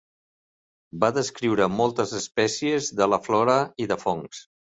Va descriure moltes espècies de la flora i de fongs.